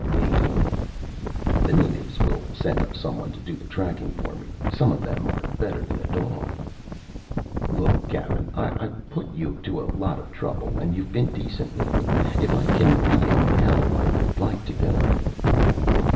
"We?" "The natives will send up someone to do the tracking for me. Some of them are better than a dog." "Look, Gavin. I've put you to a lot of trouble and you've been decent with me. If I can be any help, I would like to go."